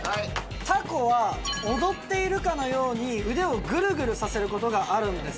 タコは踊っているかのように腕をぐるぐるさせることがあるんです。